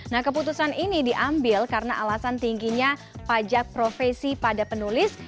nah keputusan ini diambil karena alasan tingginya pajak profesi pada penulis